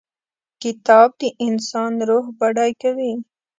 کتاب د انسان روح بډای کوي.